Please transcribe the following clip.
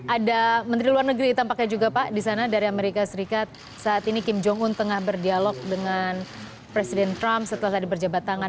ada menteri luar negeri tampaknya juga pak di sana dari amerika serikat saat ini kim jong un tengah berdialog dengan presiden trump setelah tadi berjabat tangan